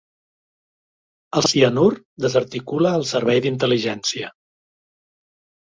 El cianur desarticula el servei d'intel·ligència.